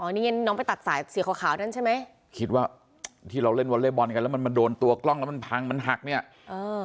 นี่น้องไปตักสายสีขาวขาวนั่นใช่ไหมคิดว่าที่เราเล่นวอเล่บอลกันแล้วมันมาโดนตัวกล้องแล้วมันพังมันหักเนี่ยเออ